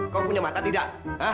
kau punya mata tidak